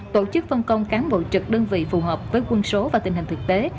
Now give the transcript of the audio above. tổ chức phân công cán bộ trực đơn vị phù hợp với quân số và tình hình thực tế